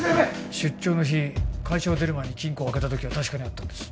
出張の日会社を出る前に金庫を開けたときは確かにあったんです